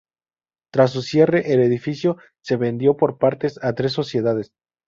Tras su cierre el edificio se vendió por partes a tres sociedades.